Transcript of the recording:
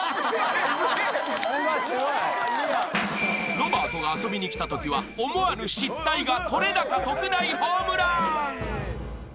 ［ロバートが遊びに来たときは思わぬ失態が撮れ高特大ホームラン！］